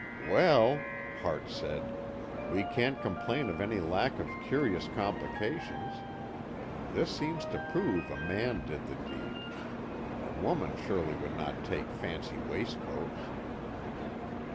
"Well," Hart said, "we can't complain of any lack of curious complications. This seems to prove a man did the deed. A woman surely would not take fancy waistcoats!"